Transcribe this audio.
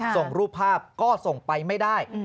ส่งรูปภาพก็ส่งไปไม่ได้